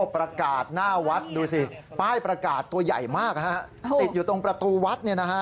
ประกาศหน้าวัดดูสิป้ายประกาศตัวใหญ่มากติดอยู่ตรงประตูวัด